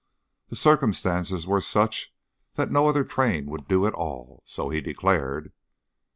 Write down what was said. The circumstances were such that no other train would do at all, so he declared.